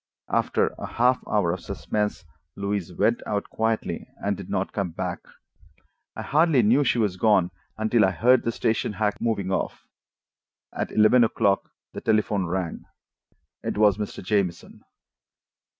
After a half hour of suspense, Louise went out quietly, and did not come back. I hardly knew she was gone until I heard the station hack moving off. At eleven o'clock the telephone rang. It was Mr. Jamieson.